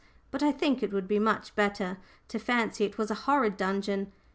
But I think it would be much better to fancy it was a horrid dungeon.